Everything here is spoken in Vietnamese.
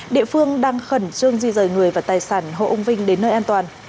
địa phương đang khẩn trương di rời người và tài sản hộ ông vinh đến nơi an toàn